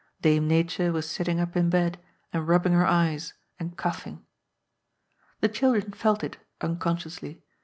Dame Nature was sitting up in bed and rubbing her eyes, and coughing. The children felt it, unconsciously.